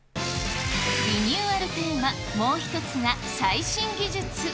リニューアルテーマ、もう１つが、最新技術。